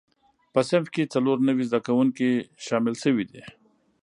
په صنف کې څلور نوي زده کوونکي شامل شوي دي.